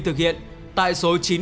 thực hiện tại số chín mươi tám